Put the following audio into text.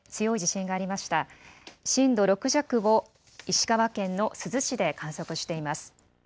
震度６弱を石川県の珠洲市で観測しています。